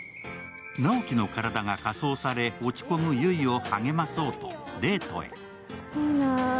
直木の体が火葬され、落ち込む悠依を励まそうとデートへ。